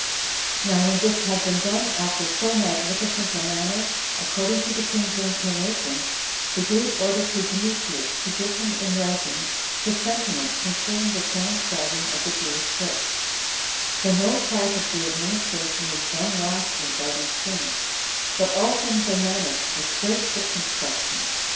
4. Now when this had been done after so magnificent a manner, according to the king's inclinations, he gave order to Demetrius to give him in writing his sentiments concerning the transcribing of the Jewish books; for no part of the administration is done rashly by these kings, but all things are managed with great circumspection.